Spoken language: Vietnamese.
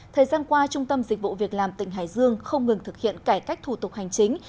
thời gian qua trung tâm dịch vụ việc làm tỉnh hải dương không ngừng thực hiện cải cách thủ tục hành chính